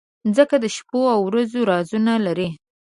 مځکه د شپو ورځو رازونه لري.